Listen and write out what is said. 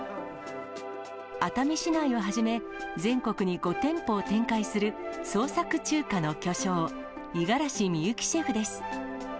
熱海市内をはじめ、全国に５店舗を展開する、創作中華の巨匠、五十嵐美幸シェフです。